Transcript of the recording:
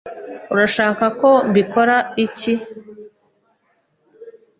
Urashaka ko mbikora iki?